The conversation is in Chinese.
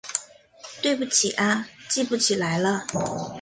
对不起啊记不起来了